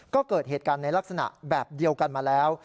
ก็เกิดเหตุการณ์ในลักษณะแบบเดียวกันมาแล้ว